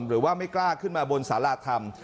หรือว่าไม่กล้าขึ้นมาบนสาราธรรม